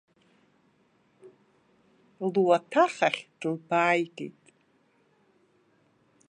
Луаҭахь ахь длыбааигеит.